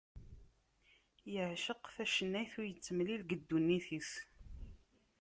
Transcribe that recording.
Yeɛceq tacennayt ur yettemlil deg ddunit-is.